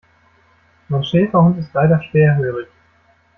Mein Schäferhund ist leider schwerhörig.